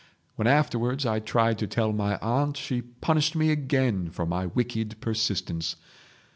When afterwards I tried to tell my aunt, she punished me again for my wicked persistence.